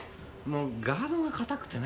もうガードが固くてね。